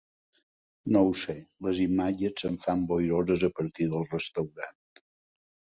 No ho sé, les imatges se'm fan boiroses a partir del restaurant.